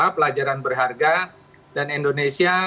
pelajaran berharga dan indonesia